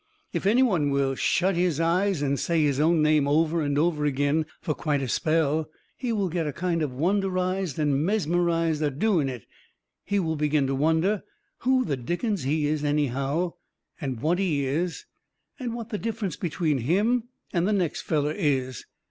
If any one will shut his eyes and say his own name over and over agin fur quite a spell, he will get kind of wonderized and mesmerized a doing it he will begin to wonder who the dickens he is, anyhow, and what he is, and what the difference between him and the next feller is.